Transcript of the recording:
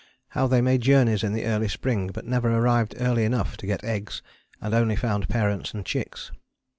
How they made journeys in the early spring but never arrived early enough to get eggs and only found parents and chicks.